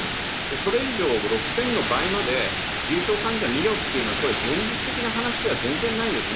それ以上、６０００の倍まで重症患者見ろっていうのはこれ、現実的な話では全然ないんですね。